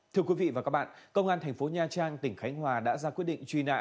thưa quý vị và các bạn công an thành phố nha trang tỉnh khánh hòa đã ra quyết định truy nã